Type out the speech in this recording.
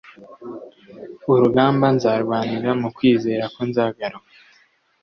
urugamba nzarwanira mukwizera ko nzagaruka"